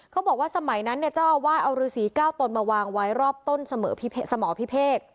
เขาบอกว่าสมัยนั้นเนี่ยเจ้าอาวาสเอาฤษี๙ตนมาวางไว้รอบต้นสมพิเภก